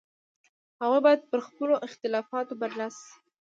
هغوی باید پر خپلو اختلافاتو برلاسي شي.